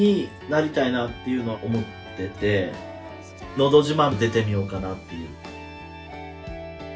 「のど自慢」に出てみようかなっていう。